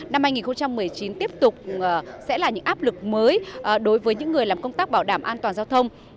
năm hai nghìn một mươi chín tiếp tục sẽ là những áp lực mới đối với những người làm công tác bảo đảm an toàn giao thông